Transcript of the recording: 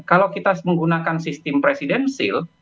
kalau kita menggunakan sistem presidensil